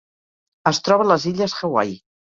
Es troba a les Illes Hawaii: